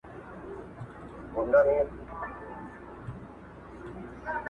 خلکو ویل چي دا پردي دي له پردو راغلي٫